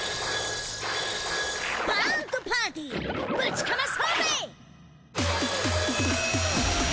バーンとパーティぶちかまそうぜ！